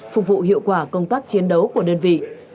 phục vụ hiệu quả công tác chiến đấu của đơn vị